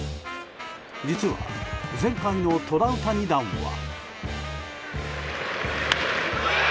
実は、前回のトラウタニ弾は。